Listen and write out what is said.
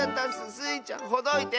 スイちゃんほどいて！